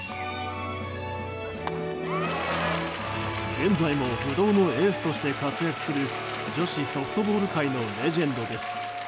現在も不動のエースとして活躍する女子ソフトボール界のレジェンドです。